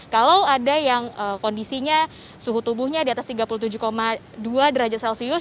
kalau ada yang kondisinya suhu tubuhnya di atas tiga puluh tujuh dua derajat celcius